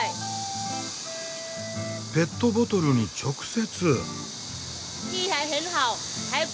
ペットボトルに直接！